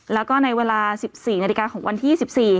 แล้วก็ในเวลา๑๔นาฬิกาของวันที่๒๔